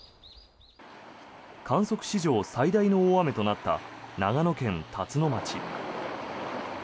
観測史上最大の大雨となった長野県辰野町。